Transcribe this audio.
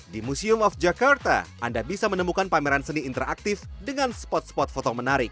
di museum of jakarta anda bisa menemukan pameran seni interaktif dengan spot spot foto menarik